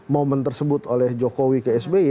momen tersebut oleh jokowi ke sby